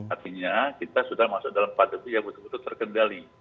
artinya kita sudah masuk dalam pandemi yang betul betul terkendali